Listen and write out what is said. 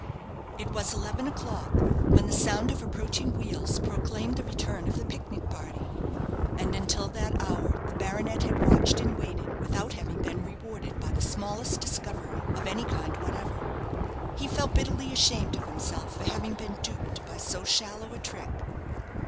It was eleven o'clock when the sound of approaching wheels proclaimed the return of the picnic party; and until that hour the baronet had watched and waited without having been rewarded by the smallest discovery of any kind whatever. He felt bitterly ashamed of himself for having been duped by so shallow a trick.